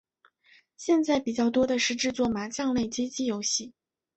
现在比较多的是制作麻将类街机游戏。